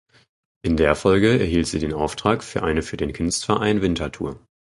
In der Folge erhielt sie den Auftrag für eine für den Kunstverein Winterthur.